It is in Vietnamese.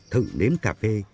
thử nếm cà phê